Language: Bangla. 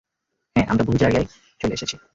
হ্যাঁ, আমরা ভুল জায়গায় চলে এসেছি!